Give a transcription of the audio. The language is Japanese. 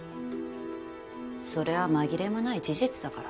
それは紛れもない事実だから。